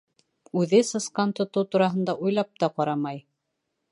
Үҙе сысҡан тотоу тураһында уйлап та ҡарамай.